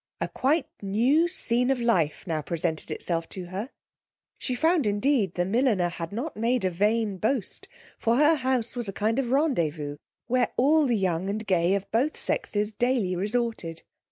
A quite new scene of life now presented itself to her: she found indeed the milliner had not made a vain boast; for her house was a kind of rendezvous, where all the young and gay of both sexes daily resorted.